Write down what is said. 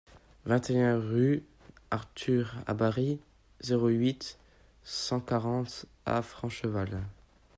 vingt et un rue Arthur Habary, zéro huit, cent quarante à Francheval